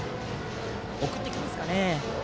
送ってきますかね？